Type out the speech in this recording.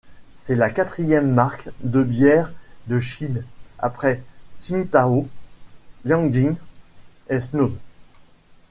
C'est la quatrième marque de bière de Chine, après Tsingtao, Yanjing et Snow.